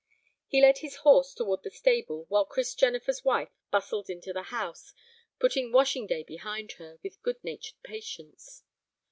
He led his horse toward the stable while Chris Jennifer's wife bustled into the house, putting washing day behind her with good natured patience.